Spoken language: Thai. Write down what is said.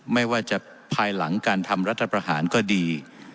ไม่ว่าจะภายหลังการทำรัฐประหารก็ดี